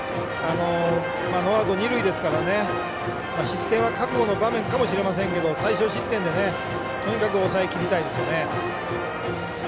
ノーアウト、二塁ですから失点は覚悟の場面かもしれませんが、最少失点でとにかく抑えきりたいですね。